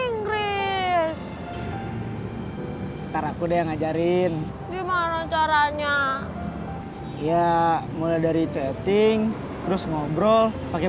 ntar aku deh ngajarin gimana caranya ya mulai dari chatting terus ngobrol pakai